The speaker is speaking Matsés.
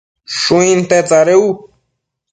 Shuinte tsadec u